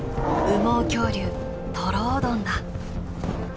羽毛恐竜トロオドンだ。